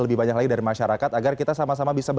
lebih banyak lagi dari masyarakat agar kita sama sama bisa